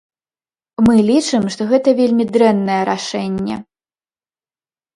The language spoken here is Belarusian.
Мы лічым, што гэта вельмі дрэннае рашэнне.